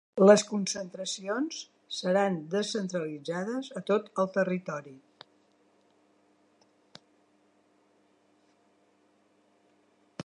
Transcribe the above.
Les concentracions seran descentralitzades a tot el territori.